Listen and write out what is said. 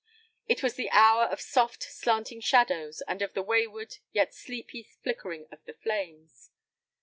It was the hour of soft, slanting shadows, and of the wayward yet sleepy flickering of the flames.